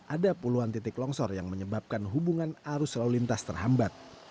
ada puluhan titik longsor yang menyebabkan hubungan arus lalu lintas terhambat